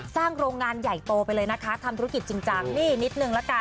โรงงานใหญ่โตไปเลยนะคะทำธุรกิจจริงจังนี่นิดนึงละกัน